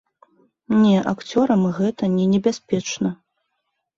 Не, акцёрам гэта не небяспечна.